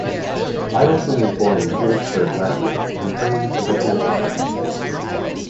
Idelsohn was born in Feliksberg, Latvia and trained as a cantor.